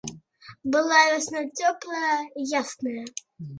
Была вясна цёплая, ясная.